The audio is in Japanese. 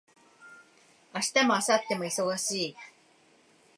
明日も明後日も忙しい